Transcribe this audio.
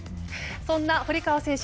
そんな堀川選手